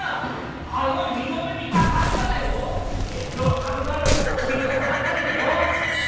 あの美濃部ミカさんがだよ遠路はるばる来てくださったんだよ？